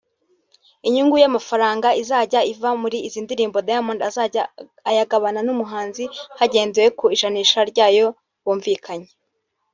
Inyungu y’amafaranga izajya iva muri izi ndirimbo Diamond azajya ayagabana n’umuhanzi hagendewe ku ijanisha ryayo bumvikanye